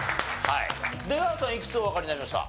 いくつおわかりになりました？